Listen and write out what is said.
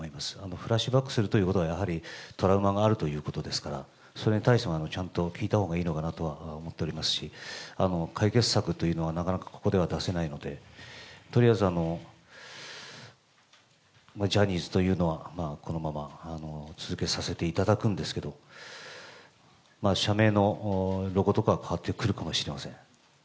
フラッシュバックするということは、やはりトラウマがあるということですから、それに対しても、ちゃんと聞いたほうがいいのかなとは思っておりますし、解決策というのはなかなかここでは出せないので、とりあえずジャニーズというのはこのまま続けさせていただくんですけれども、社名のロゴとか変わってくるかもしれません。